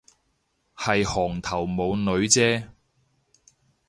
係行頭冇女啫